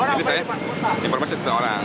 saya informasi satu orang